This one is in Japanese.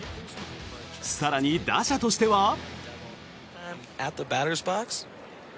更に、打者としては。